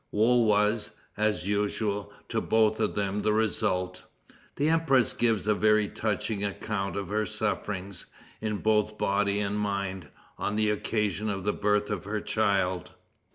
Woe was, as usual, to both of them the result. The empress gives a very touching account of her sufferings, in both body and mind, on the occasion of the birth of her child.